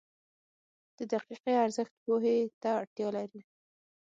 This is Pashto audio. • د دقیقه ارزښت پوهې ته اړتیا لري.